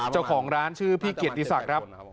เจ้าของร้านชื่อพี่เกดที่สักครับ